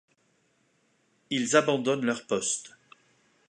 Ils abandonnent leur poste !